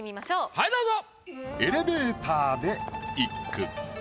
はいどうぞ。